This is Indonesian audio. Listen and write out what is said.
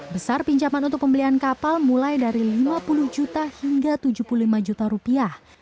besar pinjaman untuk pembelian kapal mulai dari lima puluh juta hingga tujuh puluh lima juta rupiah